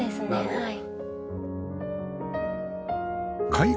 はい。